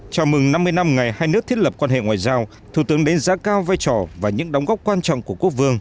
chào mừng năm mươi năm ngày hai nước thiết lập quan hệ ngoại giao thủ tướng đánh giá cao vai trò và những đóng góp quan trọng của quốc vương